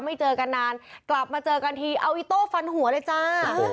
เจอกันนานกลับมาเจอกันทีเอาอิโต้ฟันหัวเลยจ้า